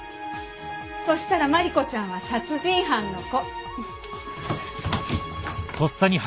そしたら真梨子ちゃんは殺人犯の子。